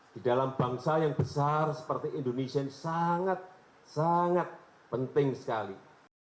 di dalam bangsa yang besar seperti indonesia ini sangat sangat penting sekali